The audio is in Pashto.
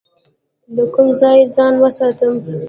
له کوم ځای ځان وساتم؟